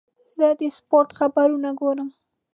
زه د سپورت خبرونه ګورم.